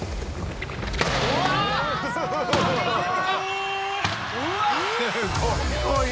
すごい！